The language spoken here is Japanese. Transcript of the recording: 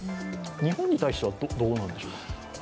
日本に対してはどうなんでしょうか。